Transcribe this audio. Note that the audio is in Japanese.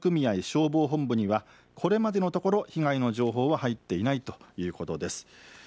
消防本部にはこれまでのところ被害の情報は入っていないということです。